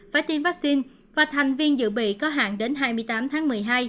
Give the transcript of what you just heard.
phải tiêm vaccine và thành viên dự bị có hạn đến hai mươi tám tháng một mươi hai